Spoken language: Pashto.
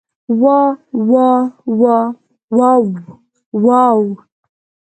واه واه واه واوا واوا.